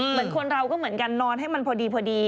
เหมือนคนเราก็เหมือนกันนอนให้มันพอดี